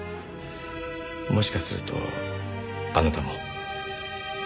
もしかするとあなたも。